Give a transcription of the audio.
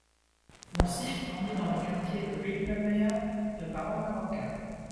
Monsif grandit dans le quartier de Bijlmermeer de parents marocains.